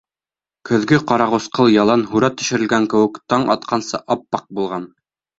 Көҙгө ҡарағусҡыл ялан Һүрәт төшөрөлгән кеүек, Таң атҡансы ап-аҡ булған.